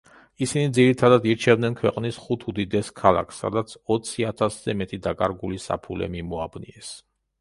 ისინი ძირითადად ირჩევდნენ ქვეყნის ხუთ უდიდეს ქალაქს, სადაც ოცი ათასზე მეტი „დაკარგული საფულე“ მიმოაბნიეს.